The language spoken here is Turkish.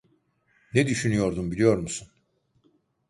Ne düşünüyordum biliyor musun?